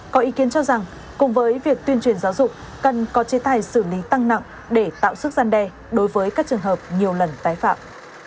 có ý kiến cho rằng cùng với việc tuyên truyền giáo dục cần có chế tài xử lý tăng nặng để tạo sức gian đe đối với các trường hợp nhiều lần tái phạm